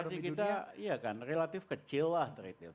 integrasi kita iya kan relatif kecil lah trade inverset